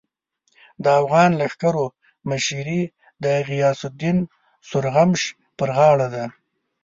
د اوغان لښکرو مشري د غیاث الدین سورغمش پر غاړه ده.